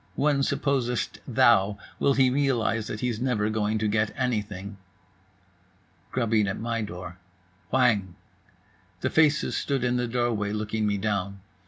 When supposest thou will he realize that he's never going to get anything?" Grubbing at my door. Whang! The faces stood in the doorway, looking me down.